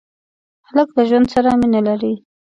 هلک له ژوند سره مینه لري.